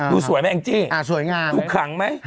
ดูสวยไหมอังจริงดูขังไหม